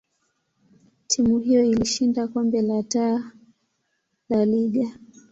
timu hiyo ilishinda kombe la Taa da Liga.